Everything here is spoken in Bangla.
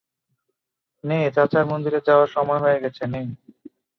নে, চাচার মন্দিরে যাওয়ার সময় হয়ে গেছে, নে।